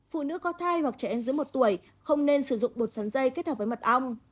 phụ nữ có thai hoặc trẻ em dưới một tuổi không nên sử dụng bột sắn dây kết hợp với mật ong